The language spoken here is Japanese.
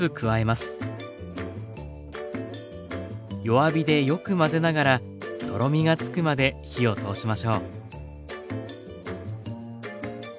弱火でよく混ぜながらとろみがつくまで火を通しましょう。